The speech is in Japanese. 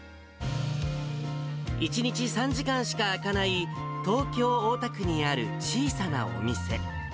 １日３時間しか開かない、東京・大田区にある小さなお店。